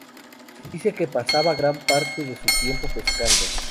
Se dice que pasaba gran parte de su tiempo pescando.